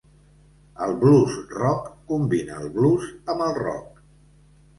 El blues rock combina el blues amb el rock.